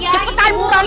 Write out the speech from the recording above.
cepetan bu ganti